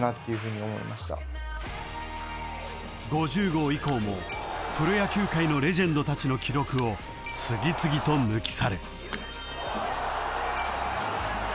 ［５０号以降もプロ野球界のレジェンドたちの記録を次々と抜き去る］